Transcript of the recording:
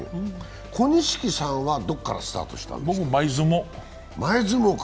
小錦さんはどこからスタートしたんですか？